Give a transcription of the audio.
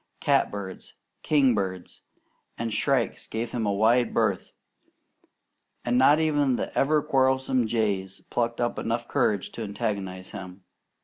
Catbirds, king birds, and shrikes gave him a wide berth, and not even the ever quarrelsome jays plucked up enough courage to antagonize him.